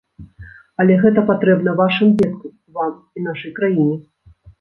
Але гэта патрэбна вашым дзеткам, вам і нашай краіне.